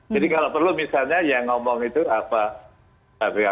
jadi kalau perlu misalnya yang ngomong itu apa